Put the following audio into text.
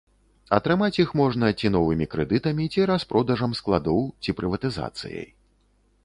Атрымаць іх можна ці новымі крэдытамі, ці распродажам складоў, ці прыватызацыяй.